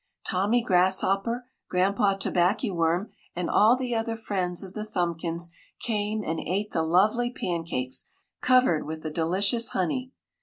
Tommy Grasshopper, Granpa Tobackyworm, and all the other friends of the Thumbkins came and ate the lovely pancakes, covered with the delicious honey.